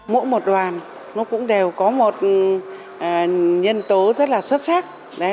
mỗi một đoàn nó cũng đều có một nhân tố rất là xuất sắc